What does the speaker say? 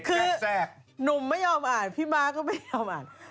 คือหนุ่มไม่ยอมอ่านพี่ม้าก็ไม่ยอมอ่าน